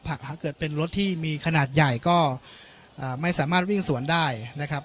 ถ้าเกิดเป็นรถที่มีขนาดใหญ่ก็ไม่สามารถวิ่งสวนได้นะครับ